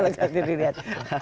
kalau kita lihat